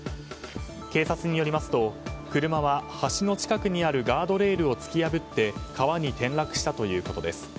警察によりますと車は橋の近くにあるガードレールを突き破って川に転落したということです。